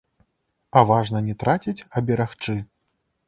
А важна не траціць, а берагчы.